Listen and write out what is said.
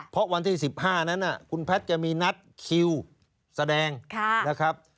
เพราะวันที่๑๕นั้นคุณแพทย์จะมีนัดคิวแสดงนะครับ